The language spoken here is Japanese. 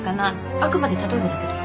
あくまで例えばだけど。